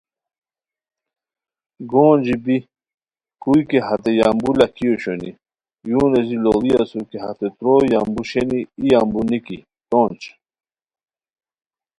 گونجی بی کوئی کی ہتے یامبو لاکھی اوشونی یو نیزی لوڑی اسور کی ہتے تروئے یامبو شینی، ای یامبو نیکی، تونج